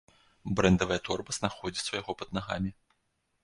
Брэндавая торба знаходзіцца ў яго пад нагамі.